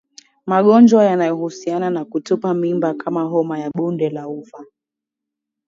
Magonjwa yanayohusiana na kutupa mimba kama homa ya Bonde la Ufa